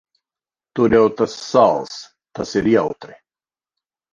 Tur jau tas sāls. Tas ir jautri.